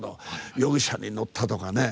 「夜汽車に乗った」とかね。